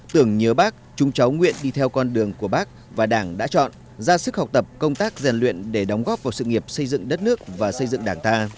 tưởng nhớ bác chúng cháu nguyện đi theo con đường của bác và đảng đã chọn ra sức học tập công tác rèn luyện để đóng góp vào sự nghiệp xây dựng đất nước và xây dựng đảng ta